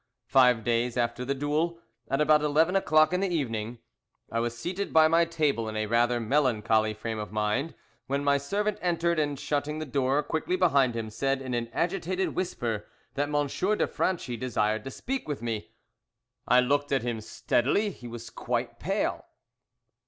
Five days after the duel, at about eleven o'clock in the evening, I was seated by my table in a rather melancholy frame of mind, when my servant entered and shutting the door quickly behind him said, in an agitated whisper, that M. de Franchi desired to speak with me. I looked at him steadily; he was quite pale.